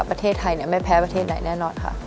ประเทศไทยไม่แพ้ประเทศไหนแน่นอนค่ะ